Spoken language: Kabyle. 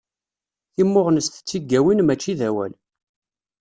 Timmuɣnest d tigawin mačči d awal.